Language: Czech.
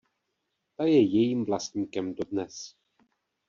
Ta je jejím vlastníkem dodnes.